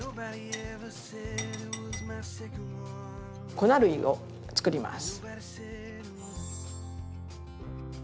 粉類を作ります。